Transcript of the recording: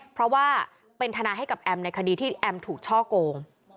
เพราะว่าเป็นทนายให้กับแอมในคดีที่แอมถูกช่อโกง